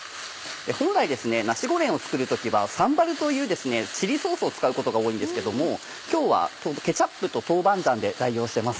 本来ナシゴレンを作る時はサンバルというチリソースを使うことが多いんですけども今日はケチャップと豆板醤で代用してます。